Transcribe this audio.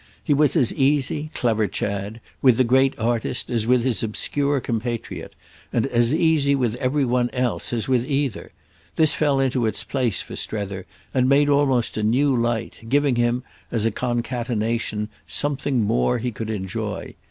He was as easy, clever Chad, with the great artist as with his obscure compatriot, and as easy with every one else as with either: this fell into its place for Strether and made almost a new light, giving him, as a concatenation, something more he could enjoy.